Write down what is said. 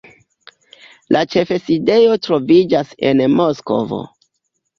La ĉefsidejo troviĝas en Moskvo.